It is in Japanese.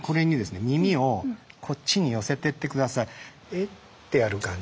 「え？」ってやる感じ。